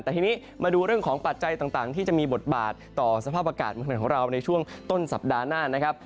แต่ทีนี้มาดูเรื่องของปัจจัยต่างที่จะมีบทบาทต่อสภาพอากาศเมืองไทยของเราในช่วงต้นสัปดาห์หน้านะครับ